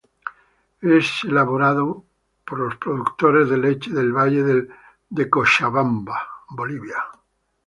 Es elaborado por los productores de leche del valle de Cochabamba, Bolivia.